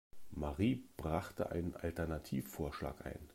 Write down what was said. Marie brachte einen Alternativvorschlag ein.